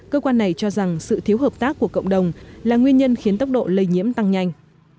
cơ quan này cho rằng sự thiếu hợp tác của cộng đồng là nguyên nhân khiến tốc độ lây nhiễm tăng nhanh